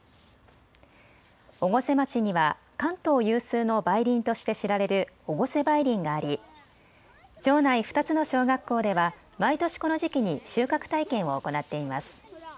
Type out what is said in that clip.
越生町には関東有数の梅林として知られる越生梅林があり町内２つの小学校では毎年この時期に収穫体験を行っています。